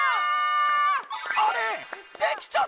あれ⁉